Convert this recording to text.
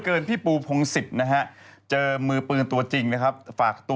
เขามีงานกันเยอะเนอะ